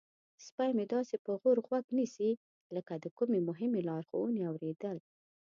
سپی مې داسې په غور غوږ نیسي لکه د کومې مهمې لارښوونې اوریدل.